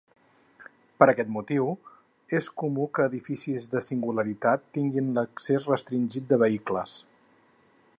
Per aquest motiu, és comú que edificis de singularitat tinguin l'accés restringit de vehicles.